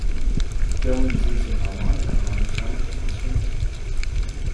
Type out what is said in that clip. Dylan's use of harmonica on the song is distinctive.